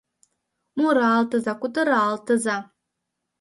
Муралтыза, кутыралтыза